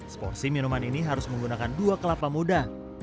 seporsi minuman ini harus menggunakan dua kelapa muda